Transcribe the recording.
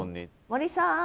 森さん。